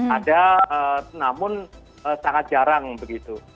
ada namun sangat jarang begitu